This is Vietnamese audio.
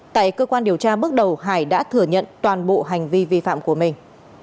tại cơ quan điều tra bước đầu hải đã thừa nhận toàn bộ hành vi vi phạm của mình